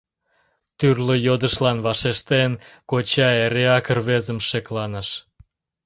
Тӱрлӧ йодышлан вашештен, коча эреак рвезым шекланыш.